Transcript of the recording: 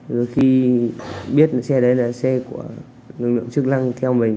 đôi khi biết xe đấy là xe của lực lượng chức năng theo mình